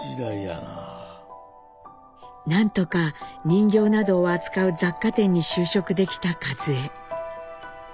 何とか人形などを扱う雑貨店に就職できた和江。